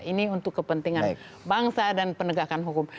ini untuk kepentingan bangsa dan penegakan hukum